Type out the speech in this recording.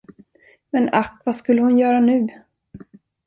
Men ack, vad skulle hon göra nu?